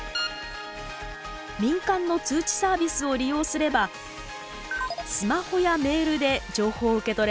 民間の通知サービスを利用すればスマホやメールで情報を受け取れます。